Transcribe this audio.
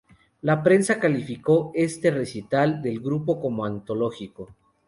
La prensa calificó este recital del grupo como antológico.